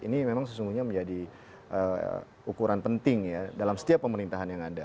ini memang sesungguhnya menjadi ukuran penting ya dalam setiap pemerintahan yang ada